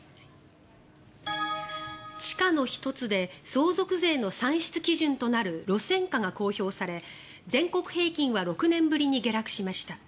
地価の１つで相続税の算出基準となる路線価が公表され、全国平均は６年ぶりに下落しました。